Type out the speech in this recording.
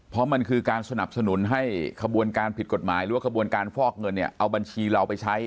เพราะมันคือการสนับสนุนให้ขบวนการผิดกฎหมายหรือว่าขบวนการฟอกเงินเนี่ยเอาบัญชีเราไปใช้